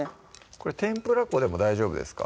これ天ぷら粉でも大丈夫ですか？